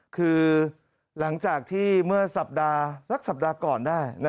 คือหลังจากที่เมื่อสัปดาห์สักสัปดาห์ก่อนได้